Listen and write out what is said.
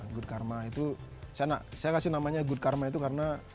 good karma itu saya kasih namanya good karma itu karena